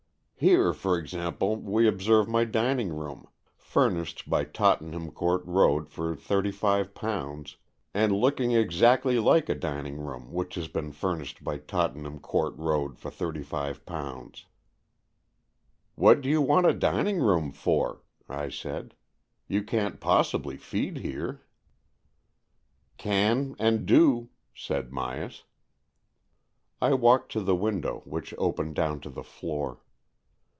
" Here, for example, we observe my dining room — furnished by Tottenham Court Road for ^35, and looking exactly like a dining room which has been furnished by Tottenham Court Road for £ss'' "What do you want a dining room for?" I said. "You can't possibly feed here." " Can and do," said Myas. I walked to the window, which opened down to the floor.